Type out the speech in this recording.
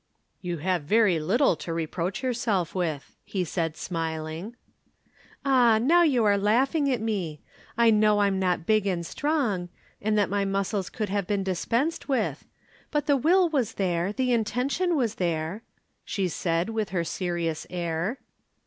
"You have very little to reproach yourself with," he said, smiling. "Ah! now you are laughing at me. I know I'm not big and strong, and that my muscles could have been dispensed with. But the will was there, the intention was there," she said with her serious air.